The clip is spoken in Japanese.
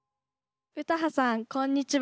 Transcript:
・詩羽さんこんにちは。